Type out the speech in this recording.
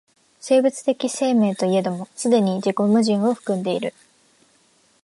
生物的生命といえども既に自己矛盾を含んでいる。